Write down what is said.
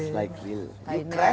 saya tidak bisa terbang fix me